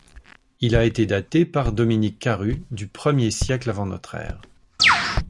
Il a été daté par Dominique Carru du I siècle avant notre ère.